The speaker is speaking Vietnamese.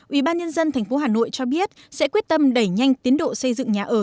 ubnd tp hà nội cho biết sẽ quyết tâm đẩy nhanh tiến độ xây dựng nhà ở